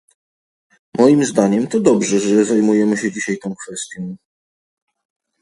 Moim zdaniem to dobrze, że zajmujemy się dzisiaj tą kwestią